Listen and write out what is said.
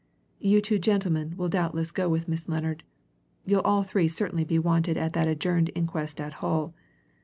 You two gentlemen will doubtless go with Miss Lennard. You'll all three certainly be wanted at that adjourned inquest at Hull.